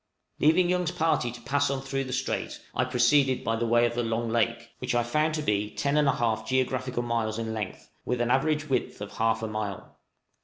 Leaving Young's party to pass on through the strait, I proceeded by way of the Long Lake, which I found to be 10 1/2 geographical miles in length, with an average width of half a mile.